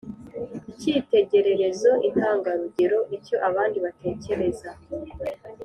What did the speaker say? ikitegererezo: intangarugero, icyo abandi batekereza.